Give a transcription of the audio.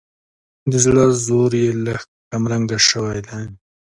د زړه زور یې لږ کمرنګه شوی دی.